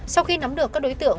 sau khi nắm được các đối tượng